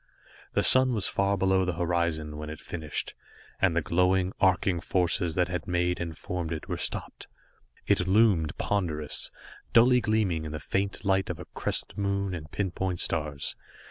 The sun was far below the horizon when it was finished, and the glowing, arcing forces that had made and formed it were stopped. It loomed ponderous, dully gleaming in the faint light of a crescent moon and pinpoint stars.